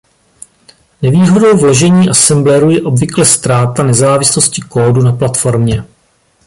Nevýhodou vložení assembleru je obvykle ztráta nezávislosti kódu na platformě.